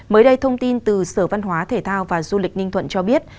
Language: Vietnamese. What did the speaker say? mới đây thông tin từ sở văn hóa thể thao và du lịch ninh thuận cho biết